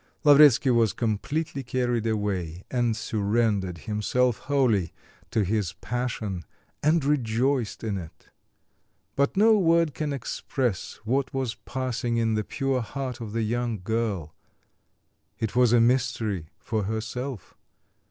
Lavretsky was completely carried away, and surrendered himself wholly to his passion and rejoiced in it. But no word can express what was passing in the pure heart of the young girl. It was a mystery for herself.